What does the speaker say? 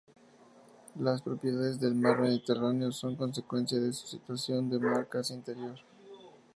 Las propiedades del mar Mediterráneo son consecuencia de su situación de mar casi interior.